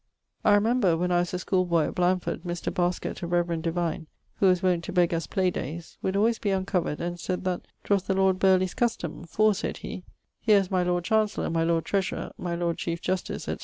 I remember (when I was a schooleboy at Blandford) Mr. Basket, a reverend divine, who was wont to beg us play dayes, would alwayes be uncovered, and sayd that ''twas the lord Burleigh's custome, for (said he) _here is my Lord Chanceller, my Lord Treasurer, my Lord Chief Justice, &c.